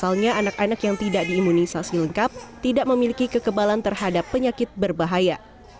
soalnya anak anak yang tidak diimunisasi lengkap tidak memiliki kekebalan terhadap penyakit berbahaya